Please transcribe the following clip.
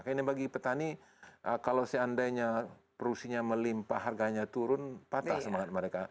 ini bagi petani kalau seandainya produksinya melimpa harganya turun patah semangat mereka